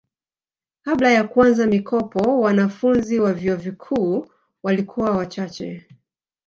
kabla ya kuanza mikopo wananfunzi wa vyuo vikuu walikuwa wachache